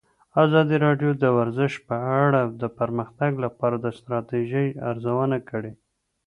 ازادي راډیو د ورزش په اړه د پرمختګ لپاره د ستراتیژۍ ارزونه کړې.